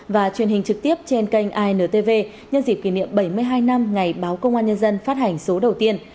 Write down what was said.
và truyền hình trực tiếp trên kênh intv nhân dịp kỷ niệm bảy mươi hai năm ngày báo công an nhân dân phát hành số đầu tiên